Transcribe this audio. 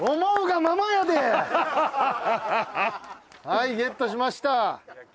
はいゲットしました。